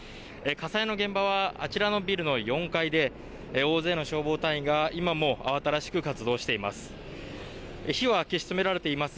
火災の現場はあちらのビルの４階で大勢の消防隊員が、今も慌ただしく活動しています。